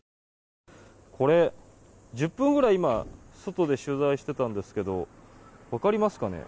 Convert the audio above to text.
これ、１０分ぐらい外で取材していたんですけど分かりますかね。